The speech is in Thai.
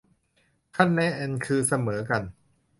คะแนนคือเสมอกัน